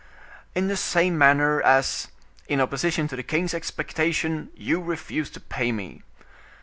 "In the same manner, as, in opposition to the king's expectation, you refused to pay me."